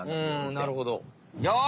なるほど。